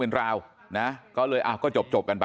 มันต้องการมาหาเรื่องมันจะมาแทงนะ